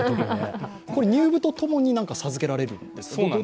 これ、入部とともに授けられるんですか？